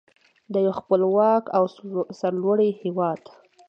د یو خپلواک او سرلوړي هیواد.